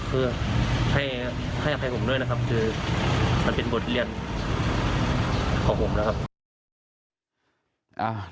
เพื่อให้อภัยผมด้วยนะครับคือมันเป็นบทเรียนของผมแล้วครับ